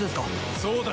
そうだ。